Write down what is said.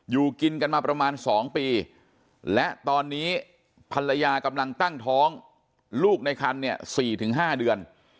อยู่กินกันมาประมาณ๒ปีและตอนนี้ภรรยากำลังตั้งท้องลูกในคันเนี่ย๔๕เดือน